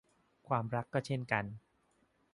ความรักก็เช่นกัน